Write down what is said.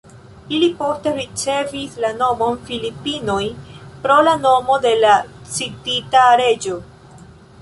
Ili poste ricevis la nomon Filipinoj pro la nomo de la citita reĝo.